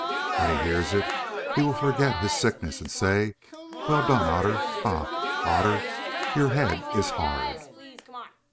When he hears it he will forget his sickness and say 'Well done, Otter! Ha! Otter, your head is hard.